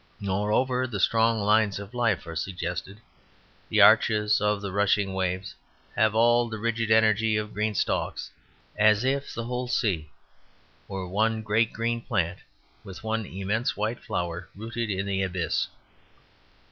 Moreover, the strong lines of life are suggested; the arches of the rushing waves have all the rigid energy of green stalks, as if the whole sea were one great green plant with one immense white flower rooted in the abyss.